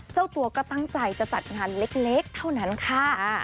เจ้าตัวก็ตั้งใจจะจัดงานเล็กเท่านั้นค่ะ